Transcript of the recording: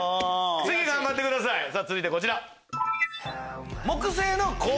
次頑張ってください続いてこちら。